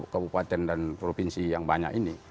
kabupaten dan provinsi yang banyak ini